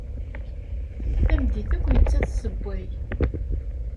Tameddit akk nettat tessewway.